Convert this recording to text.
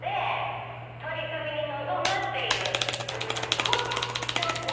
こうちゃんどうじゃ？